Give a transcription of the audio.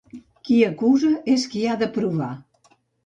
Qui acusa és qui ha de provar.